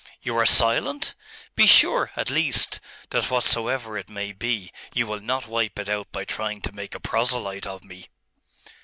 You are silent? Be sure, at least, that whatsoever it may be, you will not wipe it out by trying to make a proselyte of me!